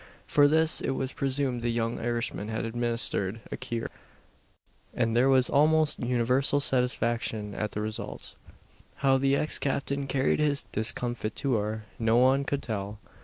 For this it was presumed the young Irishman had administered a cure; and there was almost universal satisfaction at the result. How the ex captain carried his discomfiture no one could tell.